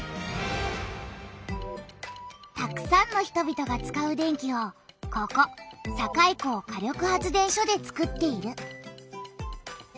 たくさんの人々が使う電気をここ堺港火力発電所でつくっている。